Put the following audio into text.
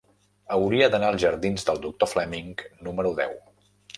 Hauria d'anar als jardins del Doctor Fleming número deu.